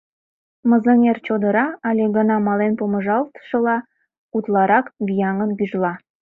Мызеҥер чодыра, але гына мален помыжалтшыла, утларак вияҥын гӱжла.